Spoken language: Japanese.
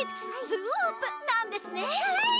スープなんですねひゃい！